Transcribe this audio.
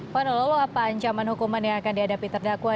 puan lolo apa ancaman hukuman yang akan dihadapi terdakwa